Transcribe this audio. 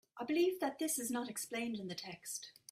I believe that this is not explained in the text.